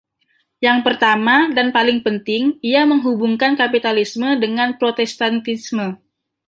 Yang pertama dan paling penting, ia menghubungkan kapitalisme dengan Protestantisme.